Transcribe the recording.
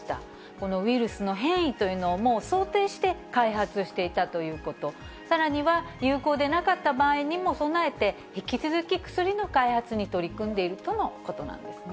このウイルスの変異というのをもう想定して開発していたということ、さらには、有効でなかった場合にも備えて、引き続き薬の開発に取り組んでいるとのことなんですね。